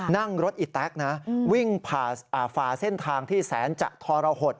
นั่งรถอิตรักซ์วิ่งฝาเส้นทางที่แสนจักรทรหด